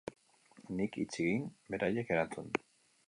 Nik hitz egin, beraiek erantzun.